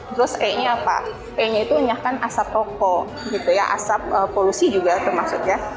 terus e nya apa e nya itu unyahkan asap rokok gitu ya asap polusi juga termasuk ya